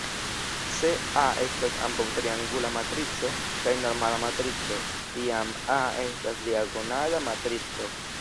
Se "A" estas ambaŭ triangula matrico kaj normala matrico, tiam "A" estas diagonala matrico.